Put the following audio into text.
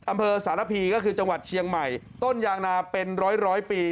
อำเภอสารพีก็คือจังหวัดเชียงใหม่ต้นยางนาเป็นร้อยร้อยปี